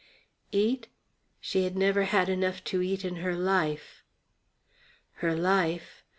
Eat? She had never had enough to eat in her life. Her life?